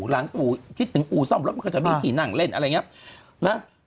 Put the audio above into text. อู่คิดถึงอู่ซ่อมรถมันก็จะมีที่นั่งเล่นอะไรอย่างนี้นะ